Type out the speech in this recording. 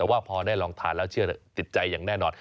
แต่ว่าพอได้ลองทานแล้วเชื่อติดใจอย่างแน่นอน